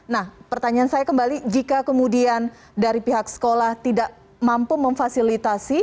nah pertanyaan saya kembali jika kemudian dari pihak sekolah tidak mampu memfasilitasi